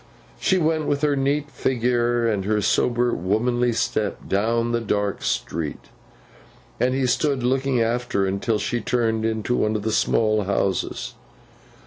She went, with her neat figure and her sober womanly step, down the dark street, and he stood looking after her until she turned into one of the small houses.